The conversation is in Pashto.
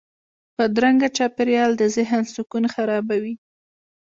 بدرنګه چاپېریال د ذهن سکون خرابوي